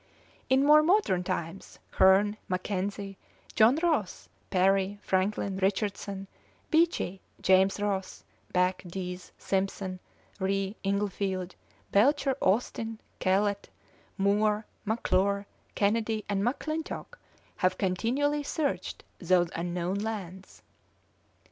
In more modern times, Hearne, Mackenzie, John Ross, Parry, Franklin, Richardson, Beechey, James Ross, Back, Dease, Simpson, Rae, Inglefield, Belcher, Austin, Kellett, Moore, McClure, Kennedy, and McClintock have continually searched those unknown lands.